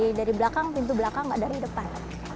dari belakang pintu belakang nggak dari depan